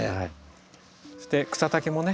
そして草丈もね。